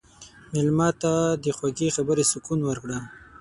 مېلمه ته د خوږې خبرې سکون ورکړه.